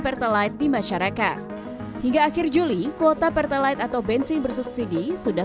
pertalite di masyarakat hingga akhir juli kuota pertalite atau bensin bersubsidi sudah